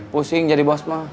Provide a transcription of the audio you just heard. pusing jadi bos mah